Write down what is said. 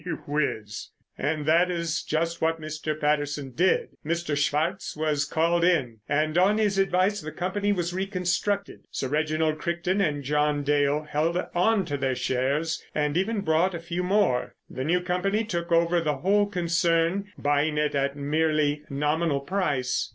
Gee whiz!" And that is just what Mr. Patterson did. Mr. Swartz was called in, and on his advice the company was reconstructed. Sir Reginald Crichton and John Dale held on to their shares and even bought a few more. The new company took over the whole concern, buying it at a merely nominal price.